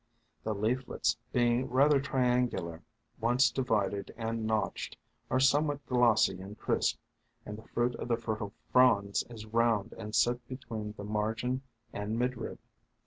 The leaflets being rather triangular, once divided and notched, are somewhat glossy and crisp, and the fruit of the fertile fronds is round and set between the margin and midrib.